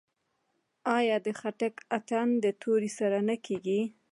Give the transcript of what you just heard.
آیا د خټک اتن د تورې سره نه کیږي؟